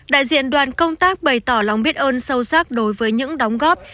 đại diện đoàn công tác bày tỏ lòng biết ơn sâu sắc đối với những đóng góp